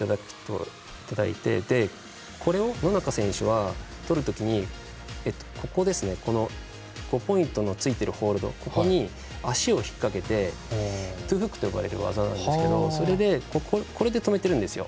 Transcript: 野中選手は、取る時に５ポイントついているホールドのここに足を引っ掛けてトウフックと呼ばれる技なんですけどこれで止めてるんですよ。